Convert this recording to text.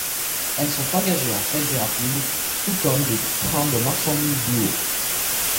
Elles sont engagées en tête des rapides tout comme des trains de marchandises lourds.